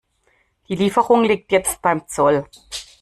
Die Lieferung liegt jetzt beim Zoll.